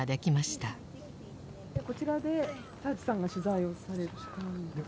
こちらで澤地さんが取材をされたんですか？